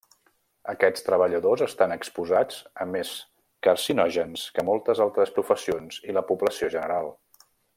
Aquests treballadors estan exposats a més carcinògens que moltes altres professions i la població general.